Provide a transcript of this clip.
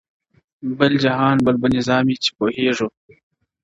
بل جهان بل به نظام وي چي پوهېږو-